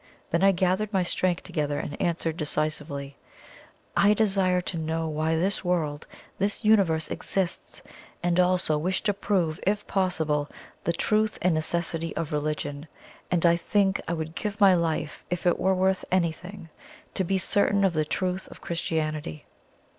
Then I gathered my strength together and answered decisively: "I desire to know why this world, this universe exists; and also wish to prove, if possible, the truth and necessity of religion. And I think I would give my life, if it were worth anything, to be certain of the truth of Christianity."